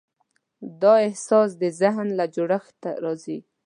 دا احساس د ذهن له جوړښت راځي.